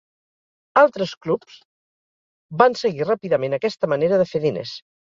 Altres clubs van seguir ràpidament aquesta manera de fer diners.